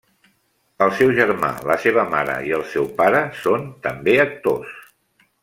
El seu germà, la seva mare i el seu pare són també actors.